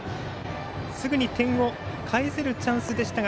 すぐに点を返せるチャンスでしたが